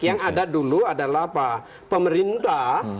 yang ada dulu adalah pemerintah